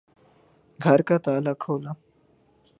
گھر کا تالا کھولا